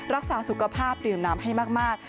รักษาสุขภาพดื่มน้ำให้มาก